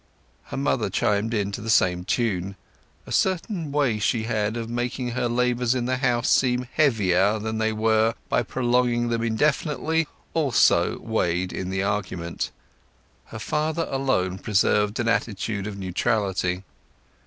Her mother chimed in to the same tune: a certain way she had of making her labours in the house seem heavier than they were by prolonging them indefinitely, also weighed in the argument. Her father alone preserved an attitude of neutrality.